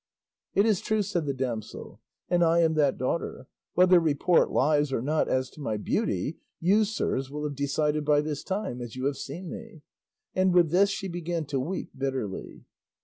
"It is true," said the damsel, "and I am that daughter; whether report lies or not as to my beauty, you, sirs, will have decided by this time, as you have seen me;" and with this she began to weep bitterly.